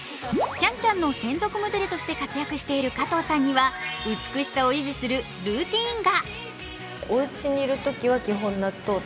「ＣａｎＣａｍ」の専属モデルとして活躍している加藤さんには、美しさを維持するルーチンが。